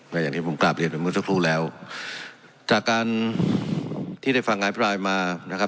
อย่างที่ผมกลับเรียนไปเมื่อสักครู่แล้วจากการที่ได้ฟังอภิปรายมานะครับ